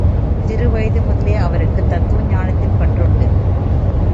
சிறு வயது முதலே அவருக்குத் தத்துவ ஞானத்தில் பற்றுண்டு.